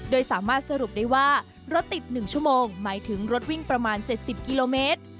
โดยสามารถสรุปได้ว่ารถติด๑ชั่วโมงหมายถึงรถวิ่งประมาณ๗๐กิโลเมตร